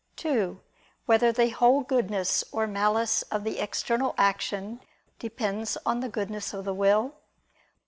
(2) Whether the whole goodness or malice of the external action depends on the goodness of the will?